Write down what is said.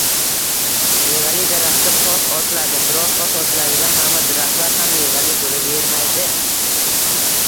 Mevali daraxtga tosh otiladi, biroq tosh otiladigan hamma daraxtlar ham mevali bo‘lavermaydi.